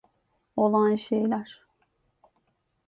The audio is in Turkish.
Olağan şeyler.